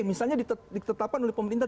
misalnya ditetapkan oleh pemerintah